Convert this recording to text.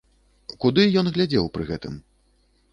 Куды ён глядзеў пры гэтым?